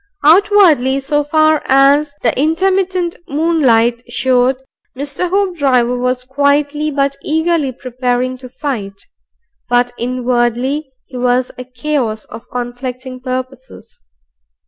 Outwardly, so far as the intermittent moonlight showed, Mr. Hoopdriver was quietly but eagerly prepared to fight. But inwardly he was a chaos of conflicting purposes.